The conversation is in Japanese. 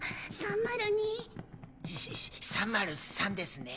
３０３ですね。